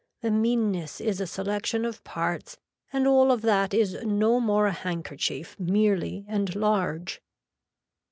The meanness is a selection of parts and all of that is no more a handkerchief merely and large.